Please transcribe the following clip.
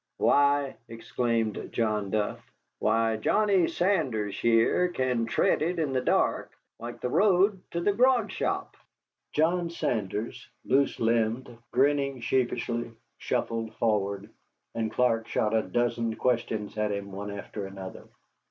"Why," exclaimed John Duff, "why, Johnny Saunders here can tread it in the dark like the road to the grogshop." John Saunders, loose limbed, grinning sheepishly, shuffled forward, and Clark shot a dozen questions at him one after another.